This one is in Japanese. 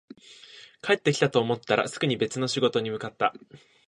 帰ってきたと思ったら、すぐに別の仕事に向かった